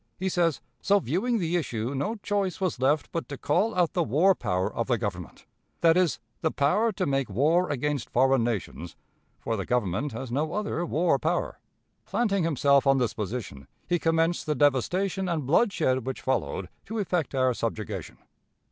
He says, "So viewing the issue, no choice was left but to call out the war power of the Government." That is the power to make war against foreign nations, for the Government has no other war power. Planting himself on this position, he commenced the devastation and bloodshed which followed to effect our subjugation.